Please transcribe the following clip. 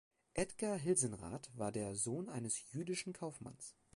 Edgar Hilsenrath war der Sohn eines jüdischen Kaufmanns.